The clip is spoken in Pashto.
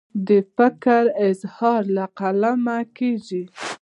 د فکر اظهار له قلمه کیږي.